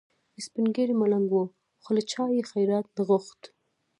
سپین ږیری ملنګ و خو له چا یې خیرات نه غوښت.